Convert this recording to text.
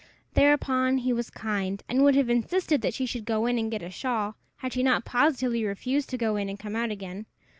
Thereupon he was kind, and would have insisted that she should go in and get a shawl, had she not positively refused to go in and come out again.